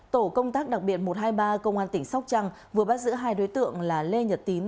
tổ công tác đặc biệt một trăm hai mươi ba công an tỉnh sóc trăng vừa bắt giữ hai đối tượng là lê nhật tín